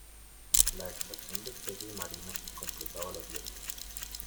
La extracción de especies marinas completaba la dieta.